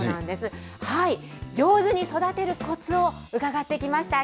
上手に育てるこつを伺ってきました。